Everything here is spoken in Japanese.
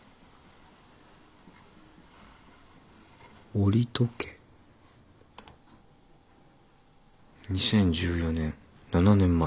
「下戸家」「２０１４年」７年前。